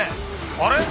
あれ？